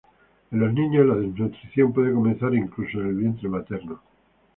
En los niños la desnutrición puede comenzar incluso en el vientre materno.